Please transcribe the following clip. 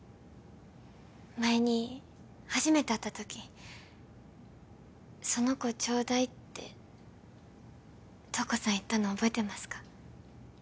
前に初めて会った時「その子ちょうだい」って瞳子さん言ったの覚えてますか？